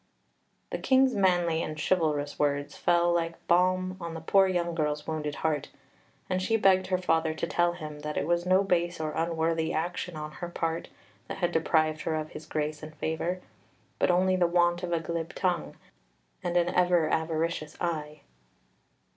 The King's manly and chivalrous words fell like balm on the poor young girl's wounded heart, and she begged her father to tell him that it was no base or unworthy action on her part that had deprived her of his grace and favour, but only the want of a glib tongue and an ever avaricious eye.